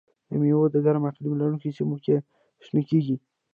دا مېوه د ګرم اقلیم لرونکو سیمو کې شنه کېږي.